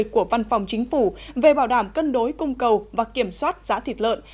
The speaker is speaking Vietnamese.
của văn phòng chính phủ về bảo đảm cân đối cung cầu và kiểm soát giá thịt lợn